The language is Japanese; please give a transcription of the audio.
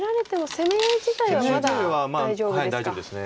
攻め合い自体は大丈夫です。